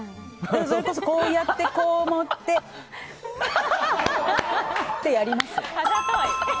それこそ、こうやってこう持って、やります。